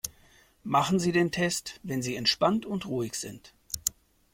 Machen Sie den Test, wenn sie entspannt und ruhig sind.